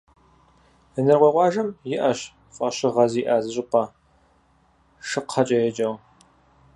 Инарыкъуей къуажэм иӏэщ фӏэщыгъэ зиӏэ зы щӏыпӏэ, «Шыкхъэкӏэ» еджэу.